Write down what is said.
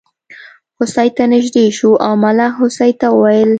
هوسۍ ته نژدې شو او ملخ هوسۍ ته وویل.